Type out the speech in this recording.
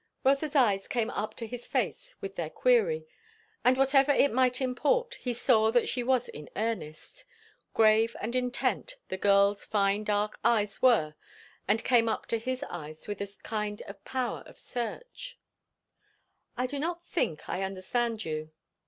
Rotha's eyes came up to his face with their query; and whatever it might import, he saw that she was in earnest. Grave and intent the girl's fine dark eyes were, and came up to his eyes with a kind of power of search. "I do not think I understand you."